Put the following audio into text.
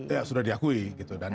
iya sudah diakui gitu